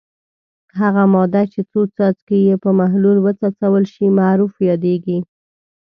هغه ماده چې څو څاڅکي یې په محلول وڅڅول شي معرف یادیږي.